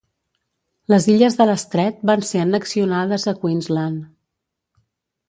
Les illes de l'estret van ser annexionades a Queensland.